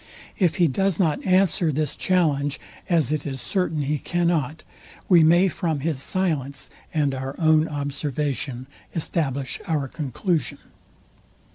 If he does not answer this challenge, as it is certain he cannot, we may from his silence and our own observation establish our conclusion.